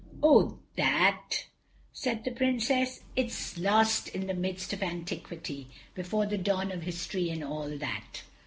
"Oh, that," said the Princess, "is lost in the mists of antiquity, before the dawn of history and all that."